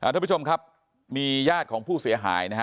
ทุกผู้ชมครับมีญาติของผู้เสียหายนะฮะ